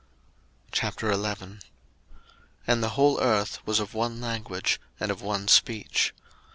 01:011:001 And the whole earth was of one language, and of one speech.